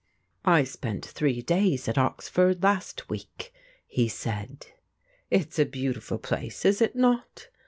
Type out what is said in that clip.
"I spent three days at Oxford last week," he said. "It's a beautiful place, is it not?"